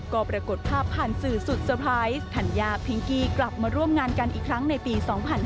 ก็ปรากฏภาพผ่านสื่อสุดเตอร์ไพรส์ธัญญาพิงกี้กลับมาร่วมงานกันอีกครั้งในปี๒๕๕๙